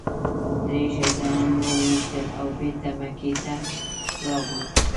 درې شیطانان مو وويشتل او بېرته مکې ته راغلو.